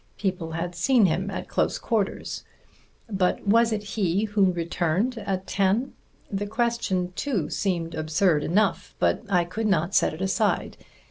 People had seen him at close quarters. But was it he who returned at ten? That question too seemed absurd enough. But I could not set it aside.